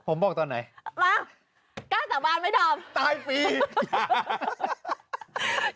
ผมบอกตอนไหนมาก้าสังบารณ์ไหมดอมตายปีอย่า